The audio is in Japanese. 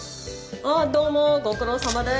どうもご苦労さまです。